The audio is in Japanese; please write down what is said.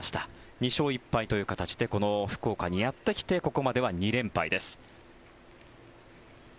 ２勝１敗という形でこの福岡にやってきてここまでは２連敗です。